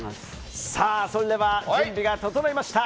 それでは、準備が整いました。